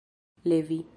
levi